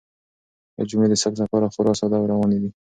دا جملې د ثبت لپاره خورا ساده او روانې دي.